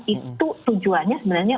itu tujuannya sebenarnya